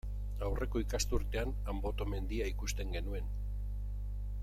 Aurreko ikasturtean Anboto mendia ikusten genuen.